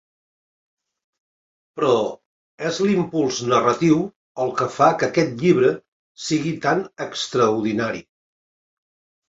Però és l'impuls narratiu el que fa que aquest llibre sigui tan extraordinari.